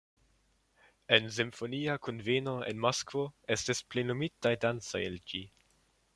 En simfonia kunveno en Moskvo estis plenumitaj dancoj el ĝi.